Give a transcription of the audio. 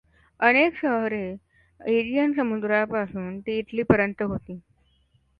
अशी अनेक शहरे एजियन समुद्रापासून ते इटलीपर्यंत होती.